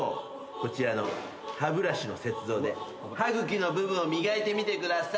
こちらの歯ブラシの雪像で歯茎の部分を磨いてみてください。